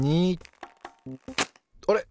あれ？